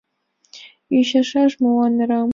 Ӱчашаш молан арам?